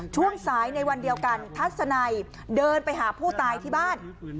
ช่วงสายในวันเดียวกันทัศนัยเดินไปหาผู้ตายที่บ้าน